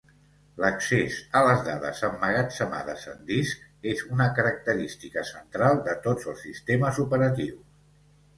L'accés a les dades emmagatzemades en discs és una característica central de tots els sistemes operatius.